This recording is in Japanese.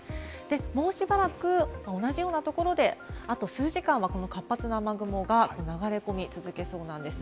もうしばらく同じようなところで、あと数時間はこの活発な雨雲が流れ込み続けそうなんです。